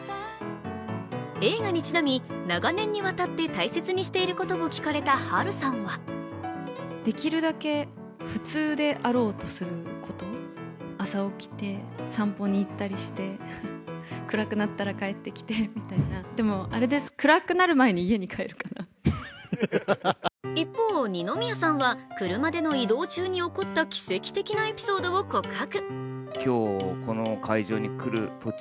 映画にちなみ、長年にわたって大切にしていることを聞かれた波瑠さんは一方、二宮さんは車での移動中に行った奇跡的なエピソードを告白。